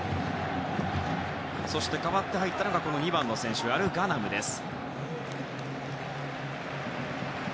そして代わって入ったのが２番のアルガナムです。